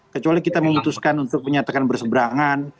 kecuali kita memutuskan untuk menyatakan berseberangan